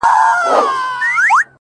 غوږ سه ورته-